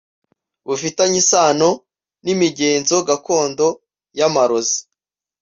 bufitanye isano n’imigenzo gakondo y’amarozi